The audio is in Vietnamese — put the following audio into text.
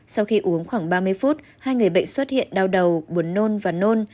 sau khi uống khoảng ba mươi phút hai người bệnh xuất hiện đau đầu buồn nôn và nôn